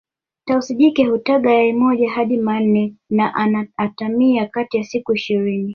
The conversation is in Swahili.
Tausi jike hutaga yai moja hadi manne na ana atamia kati ya siku ishirini